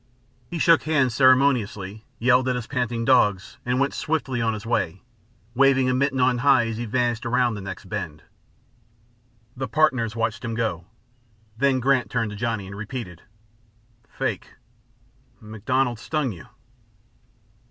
He shook hands ceremoniously, yelled at his panting dogs, and went swiftly on his way, waving a mitten on high as he vanished around the next bend. The partners watched him go, then Grant turned to Johnny, and repeated: "Fake! MacDonald stung you."